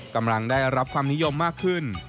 กำลังได้รับความนิยมมากขึ้น